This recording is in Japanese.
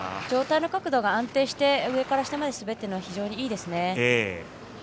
上体の角度が安定して上から下まで滑っているのは非常にいいですね。